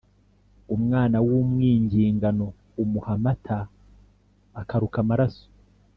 Umwana w’umwingingano umuha amata akaruka amaraso.